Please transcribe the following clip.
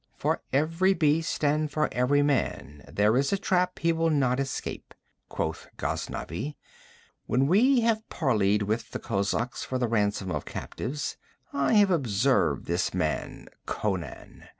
'For every beast and for every man there is a trap he will not escape,' quoth Ghaznavi. 'When we have parleyed with the kozaks for the ransom of captives, I have observed this man Conan.